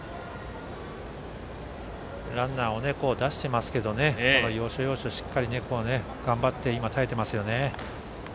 ランナーを出していますが要所要所でしっかり頑張って耐えてますね。